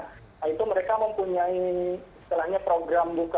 nah itu mereka mempunyai program bunga